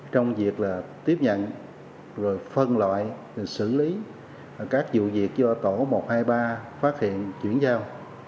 trong việc tiếp nhận rồi phân loại xử lý các vụ việc do tổ một trăm hai mươi ba phát hiện chuyển giao